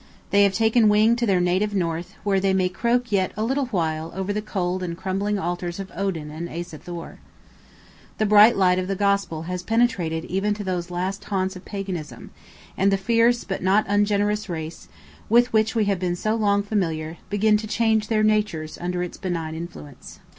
They have taken wing to their native north, where they may croak yet a little while over the cold and crumbling altars of Odin and Asa Thor. The bright light of the Gospel has penetrated even to those last haunts of Paganism, and the fierce but not ungenerous race, with which we have been so long familiar, begin to change their natures under its benign influence.